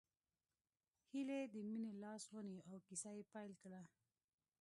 هيلې د مينې لاس ونيو او کيسه يې پيل کړه